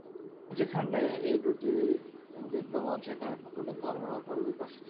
যেখানে এই দুইটি বিদ্যমান সেখানেই প্রকৃত ধর্মের অপূর্ব বিকাশ দৃষ্ট হয়।